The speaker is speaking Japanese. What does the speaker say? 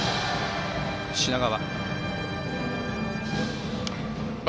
品川。